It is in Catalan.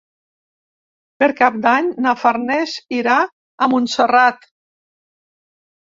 Per Cap d'Any na Farners irà a Montserrat.